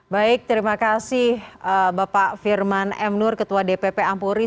baik terima kasih bapak firman m nur ketua dpp ampuri